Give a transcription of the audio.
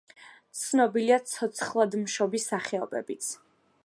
ცნობილია ცოცხლადმშობი სახეობებიც.